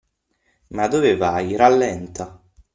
Ma dove vai? Rallenta!